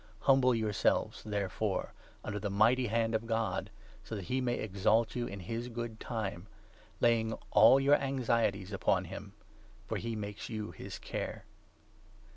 Humble yourselves, therefore, under the mighty 6 ^"rtatfons. hand of God, so that he may exalt you in his good time, laying all your anxieties upon him, 7 for he makes you his care.